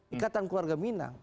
ikatan keluarga minang